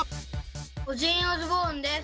オジンオズボーンです。